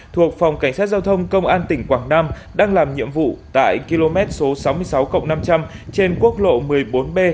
thuộc phòng cảnh sát giao thông công an tỉnh quảng nam đang làm nhiệm vụ tại km số sáu mươi sáu năm trăm linh trên quốc lộ một mươi bốn b